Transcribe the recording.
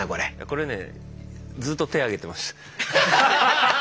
これねずっと手挙げてました。